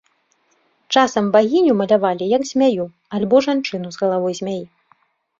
Часам багіню малявалі як змяю альбо жанчыну з галавой змяі.